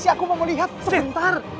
aku mau lihat sebentar